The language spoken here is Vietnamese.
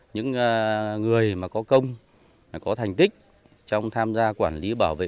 những người mà có công có thành tích trong tham gia quản lý bảo vệ